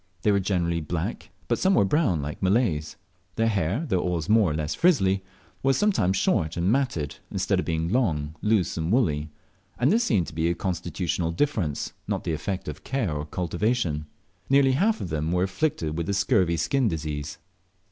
They were generally black, but some were brown like Malays. Their hair, though always more or less frizzly, was sometimes short and matted, instead of being long, loose, and woolly; and this seemed to be a constitutional difference, not the effect of care and cultivation. Nearly half of them were afflicted with the scurfy skin disease.